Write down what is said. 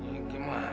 ini gimana sih